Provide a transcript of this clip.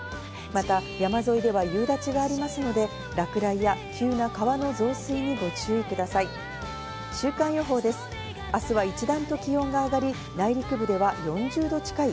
また山沿いでは夕立がありますので、落雷や急な川の増水にご注意ください。